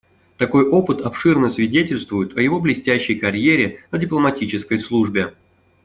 Такой опыт обширно свидетельствует о его блестящей карьере на дипломатической службе.